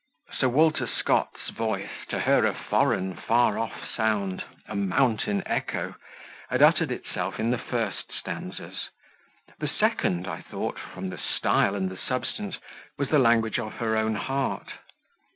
Sir Walter Scott's voice, to her a foreign, far off sound, a mountain echo, had uttered itself in the first stanzas; the second, I thought, from the style and the substance, was the language of her own heart.